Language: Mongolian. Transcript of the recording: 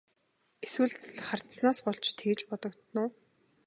Эсвэл хардсанаас болж тэгж бодогдоно уу?